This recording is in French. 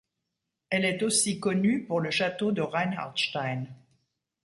Elle est aussi connue pour le Château de Reinhardstein.